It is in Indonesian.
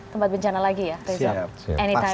tempat bencana lagi ya reza annita